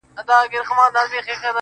اوس د شپې سوي خوبونه زما بدن خوري~